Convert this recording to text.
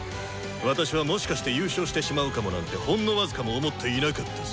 私はもしかして優勝してしまうかもなんてほんの僅かも思っていなかったぞ！